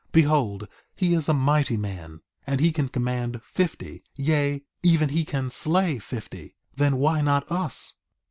Behold, he is a mighty man, and he can command fifty, yea, even he can slay fifty; then why not us?